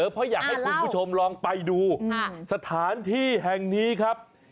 เพราะอยากให้คุณผู้ชมลองไปดูสถานที่แห่งนี้ครับ